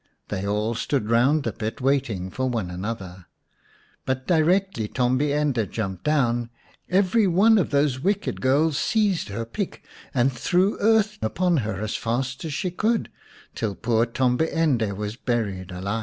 They all stood round the pit waiting for one another. But directly Tombi ende jumped down, every one of those wicked girls seized her pick and threw earth upon her as fast as she could, till poor Tombi ende was buried alive.